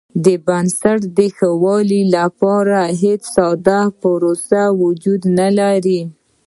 د بنسټونو د ښه والي لپاره هېڅ ساده پروسه وجود نه لري.